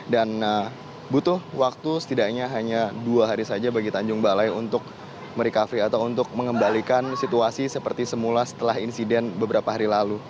dan butuh waktu setidaknya hanya dua hari saja bagi tanjung balai untuk mengembalikan situasi seperti semula setelah insiden beberapa hari lalu